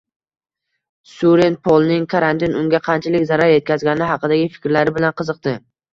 Suren Polning karantin unga qanchalik zarar etkazgani haqidagi fikrlari bilan qiziqdi